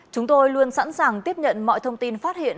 chúng tôi luôn sẵn sàng tiếp nhận mọi thông tin phát hiện